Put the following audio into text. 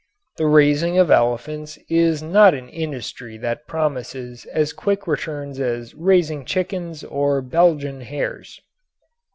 The raising of elephants is not an industry that promises as quick returns as raising chickens or Belgian hares.